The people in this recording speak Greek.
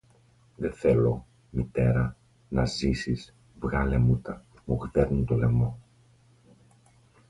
Δε θέλω, Μητέρα, να ζήσεις, βγάλε μου τα, μου γδέρνουν το λαιμό!